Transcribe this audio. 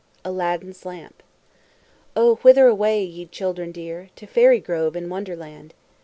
ALADDIN'S LAMP Oh, whither away, ye children dear! To Fairy Grove in Wonderland!